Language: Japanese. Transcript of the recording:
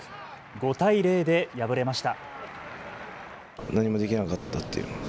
５対０で敗れました。